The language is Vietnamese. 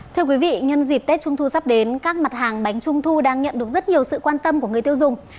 thưa quý vị nhân dịp tết trung thu sắp đến các mặt hàng bánh trung thu đang nhận được rất nhiều sự quan tâm của người tiêu dùng